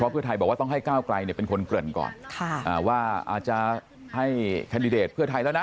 เพื่อไทยบอกว่าต้องให้ก้าวไกลเป็นคนเกริ่นก่อนว่าอาจจะให้แคนดิเดตเพื่อไทยแล้วนะ